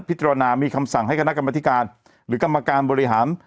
พิจารณามีคำสั่งให้คณะกรรมธิการหรือกรรมการบริหาร